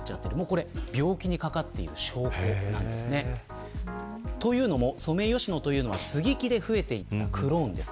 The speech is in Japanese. これは病気にかかっている証拠なんですね。というのもソメイヨシノというのは接ぎ木で増えていったクローンです。